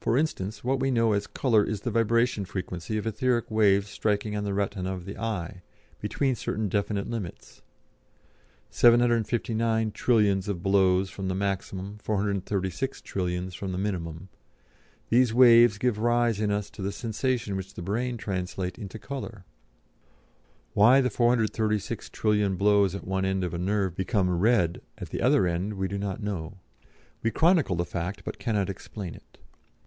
For instance, what we know as colour is the vibration frequency of etheric waves striking on the retina of the eye, between certain definite limits 759 trillions of blows from the maximum, 436 trillions from the minimum these waves give rise in us to the sensation which the brain translates into colour. (Why the 436 trillion blows at one end of a nerve become 'Red' at the other end we do not know; we chronicle the fact but cannot explain it.)